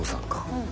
うん。